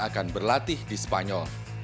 akan berlatih di spanyol